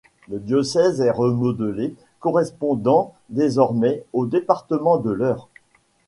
Le diocèse est remodelé, correspondant désormais au département de l'Eure.